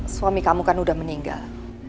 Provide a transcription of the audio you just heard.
suami kamu kan udah meninggal